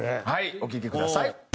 お聴きください。